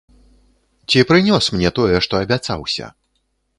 Ці прынёс мне тое, што абяцаўся?